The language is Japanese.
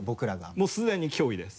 もうすでに脅威です。